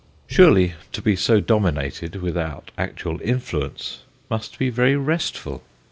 Surely, to be so dominated, without actual influence, must be very restful.